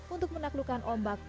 untuk menaklukkan ombak